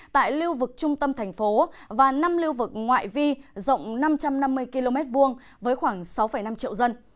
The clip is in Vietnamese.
tại lưu vực trung tâm thành phố và năm lưu vực ngoại vi rộng năm trăm năm mươi km hai với khoảng sáu năm triệu dân